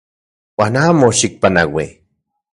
Uan amo xikpanaui.